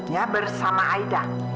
ya bersama aida